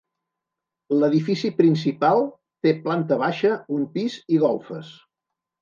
L'edifici principal té planta baixa, un pis i golfes.